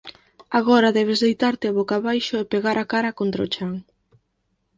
Agora debes deitarte boca abaixo e pegar a cara contra o chan.